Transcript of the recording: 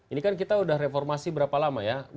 ini kan kita udah reformasi berapa lama ya